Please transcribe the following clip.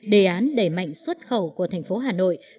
đề án đẩy mạnh xuất khẩu của thành phố hà nội